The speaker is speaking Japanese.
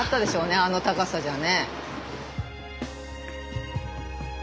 あの高さじゃね。